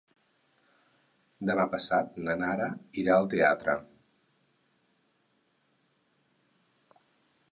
Demà passat na Nara irà al teatre.